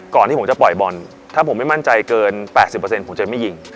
ก่อนที่ผมจะปล่อยบอลถ้าผมไม่มั่นใจเกิน๘๐ผมจะไม่ยิง